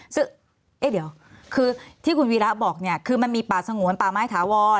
ซึ่งเอ๊ะเดี๋ยวคือที่คุณวีระบอกเนี่ยคือมันมีป่าสงวนป่าไม้ถาวร